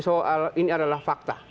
soal ini adalah fakta